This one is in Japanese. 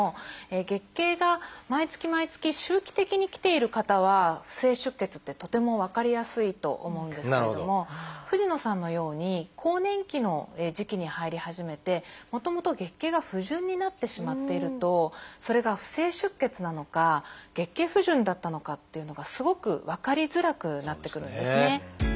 月経が毎月毎月周期的に来ている方は不正出血ってとても分かりやすいと思うんですけれども藤野さんのように更年期の時期に入り始めてもともと月経が不順になってしまっているとそれが不正出血なのか月経不順だったのかっていうのがすごく分かりづらくなってくるんですね。